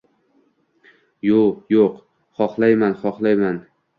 — Yo‘-yo‘q, xohlayman, xohlayman…